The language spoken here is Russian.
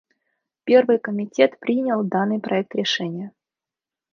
Первый комитет принял данный проект решения.